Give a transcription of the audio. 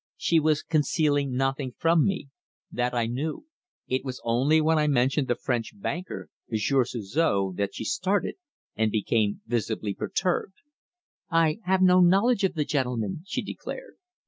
She was concealing nothing from me that I knew. It was only when I mentioned the French banker, Monsieur Suzor, that she started and became visibly perturbed. "I have no knowledge of the gentleman," she declared.